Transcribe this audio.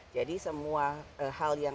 jadi semua hal yang